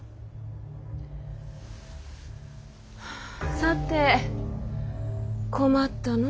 さて困ったの。